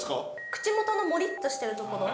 口元のモリッとしてるところ。